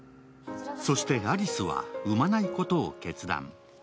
そしてアリスは産まないことを決断。